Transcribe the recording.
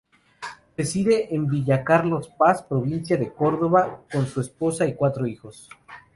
Reside en Villa Carlos Paz, provincia de Córdoba, con su esposa y cuatro hijos.